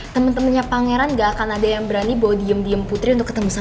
temen temennya pangeran gak akan ada yang berani bawa diem diem putri untuk ketemu sama